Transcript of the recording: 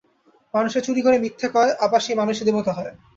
মানুষে চুরি করে, মিথ্যা কয়, আবার সেই মানুষই দেবতা হয়।